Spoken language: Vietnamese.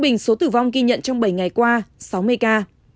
tổng số ca tử vong ghi nhận trong bảy ngày qua sáu mươi ca